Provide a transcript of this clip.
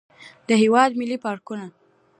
د هېواد ملي پارکونه.